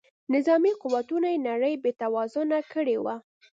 نظامي قوتونو یې نړۍ بې توازونه کړې وه.